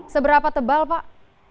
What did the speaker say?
seberapa tebal pak